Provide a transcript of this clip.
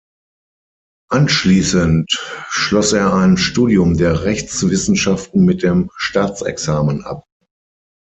Anschließend schloss er ein Studium der Rechtswissenschaften mit dem Staatsexamen ab.